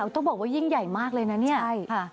ต้องบอกว่ายิ่งใหญ่มากเลยนะเนี่ยใช่